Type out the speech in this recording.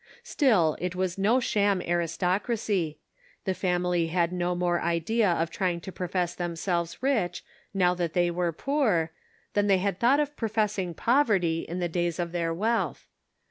Still it was no sham aristocracy ; the family had no more idea of trying to profess themselves rich, now that they were poor, "than they had thought of pro fessing poverty in the days of their wealth.